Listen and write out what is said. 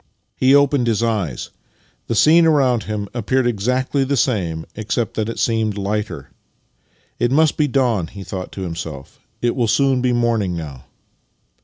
He opened his eyes. The scene around him appeared exactly the same, except that it seemed lighter. " It must be the dawn," he thought to himself. " It will soon be morning now."